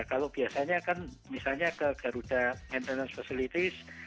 kalau biasanya kan misalnya ke garuda maintenance facilities